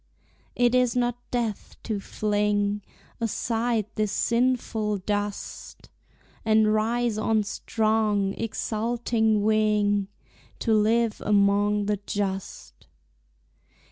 It is not death to fling Aside this sinful dust, And rise on strong, exulting wing, To live among the just.